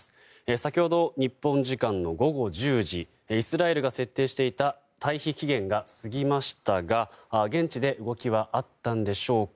先ほど日本時間の午後１０時イスラエルが設定していた退避期限が過ぎましたが現地で動きはあったんでしょうか。